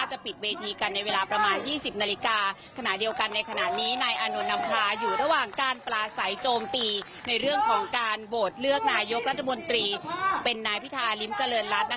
และประเทศกริมเจริญรัฐนะฮะ